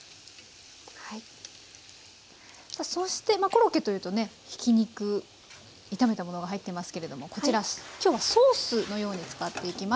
そしてまあコロッケというとねひき肉炒めたものが入ってますけれどもこちらきょうはソースのように使っていきます。